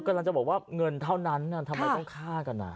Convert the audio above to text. กำลังจะบอกว่าเงินเท่านั้นทำไมต้องฆ่ากัน